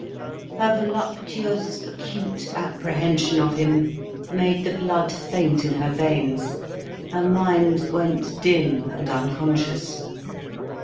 Her voluptuous, acute apprehension of him made the blood faint in her veins, her mind went dim and unconscious.